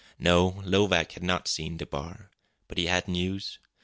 No, Lovak had not seen DeBar. But he had news.